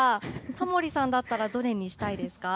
タモリさんだったらどれにしたいですか。